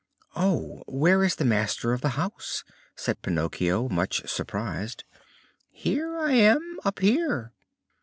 "Oh! where is the master of the house?" said Pinocchio, much surprised. "Here I am, up here!"